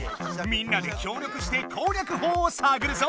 みんなで協力して攻略法をさぐるぞ！